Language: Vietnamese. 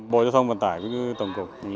bộ giao thông văn tải như tổng cục